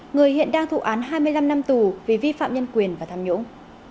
người hiện đang thụ án hai mươi năm năm tù vì vi phạm nhân quyền và tham nhũng